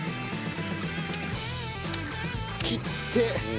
切って。